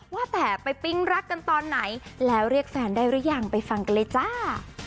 ว่าแต่ไปปิ๊งรักกันตอนไหนแล้วเรียกแฟนได้หรือยังไปฟังกันเลยจ้า